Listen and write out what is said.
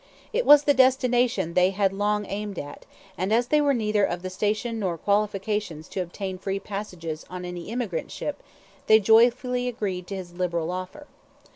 It was the destination they had long aimed at; and as they were neither of the station nor qualifications to obtain free passages in any immigrant ship, they joyfully agreed to his liberal offer.